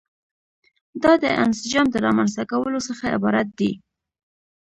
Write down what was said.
دا د انسجام د رامنځته کولو څخه عبارت دي.